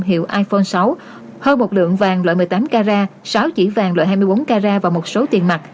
hiệu iphone sáu hơn một lượng vàng loại một mươi tám carat sáu chỉ vàng loại hai mươi bốn carat và một số tiền mặt